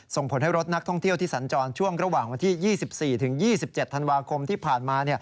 ส่งผลให้รถนักท่องเที่ยวที่สัญจรช่วงระหว่างวันที่๒๔ถึง๒๗ธันวาคมที่ผ่านมา